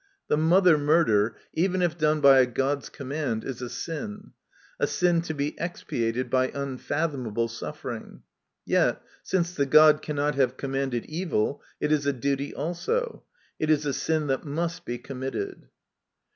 The mother murder, even if done by a god's command, is a sin ; a sin to be expiated by unfathomable suffering. Yet, since the god cannot have commanded evil, it is a duty also. It is a sin that must be committed.